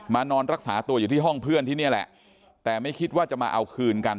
นอนรักษาตัวอยู่ที่ห้องเพื่อนที่นี่แหละแต่ไม่คิดว่าจะมาเอาคืนกัน